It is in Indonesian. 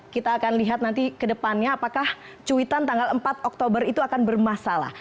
kita akan lihat nanti ke depannya apakah cuitan tanggal empat oktober itu akan bermasalah